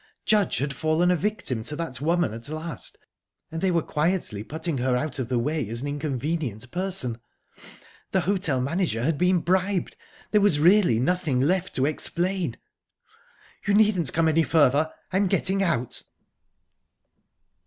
Judge had fallen a victim to that woman at last, and they were quietly putting her out of the way, as an inconvenient person. The hotel manager had been bribed. There was really nothing left to explain... "You needn't come any further. I'm getting out."